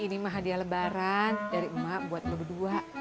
ini mah hadiah lebaran dari mak buat kamu berdua